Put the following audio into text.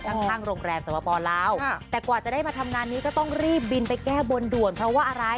ข้างข้างโรงแรมสวปลาวแต่กว่าจะได้มาทำงานนี้ก็ต้องรีบบินไปแก้บนด่วนเพราะว่าอะไร